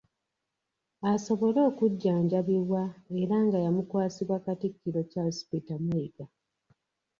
Asobole okujjanjabibwa era nga yamukwasibwa Katikkiro Charles Peter Mayiga.